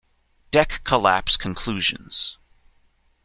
"Deck Collapse Conclusions"